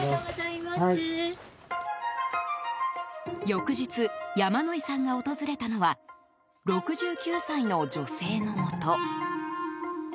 翌日、山野井さんが訪れたのは６９歳の女性のもと。